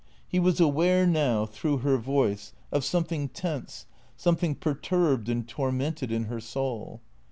He was aware now, through her voice, 292 THE CEEATORS of something tense, something perturbed and tormented In her soul.